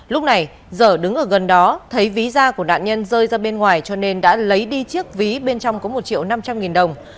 lúc này dở đứng ở gần đó thấy ví da của nạn nhân rơi ra bên ngoài cho nên đã lấy đi chiếc ví bên trong có một triệu năm trăm linh nghìn đồng